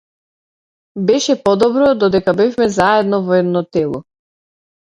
Беше подобро додека бевме заедно во едно тело.